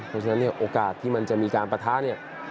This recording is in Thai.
เพราะฉะนั้นเนี่ยโอกาสที่มันจะมีการปะทะเนี่ย